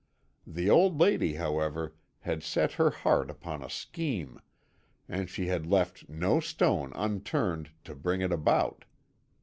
The old lady, however, had set her heart upon a scheme, and she left no stone unturned to bring it about.